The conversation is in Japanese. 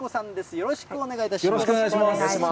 よろしくお願いします。